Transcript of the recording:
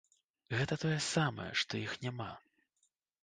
Гэта тое самае, што іх няма.